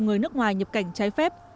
người nước ngoài nhập cảnh trái phép